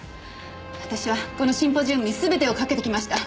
私はこのシンポジウムに全てをかけてきました。